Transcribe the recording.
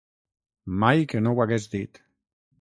Mai que no ho hagués dit.